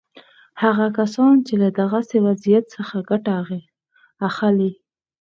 هغه کسان چې له دغسې وضعیت څخه ګټه اخلي.